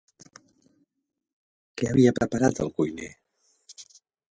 Què havia preparat el cuiner?